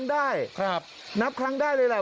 อำเภอไซน้อยจังหวัดนนทบุรี